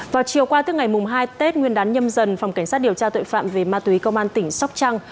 vào chiều qua tức ngày hai tết nguyên đán nhâm dần phòng cảnh sát điều tra tội phạm về ma túy công an tỉnh sóc trăng